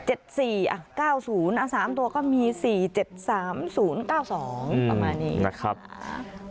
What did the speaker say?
เอา๓ตัวก็มี๔๗๓๐๙๒ประมาณนี้